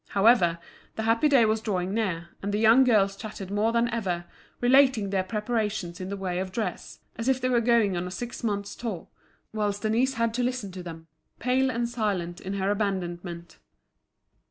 However, the happy day was drawing near, and the young girls chattered more than ever, relating their preparations in the way of dress, as if they were going on a six months' tour, whilst Denise had to listen to them, pale and silent in her abandonment.